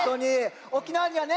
沖縄にはねさ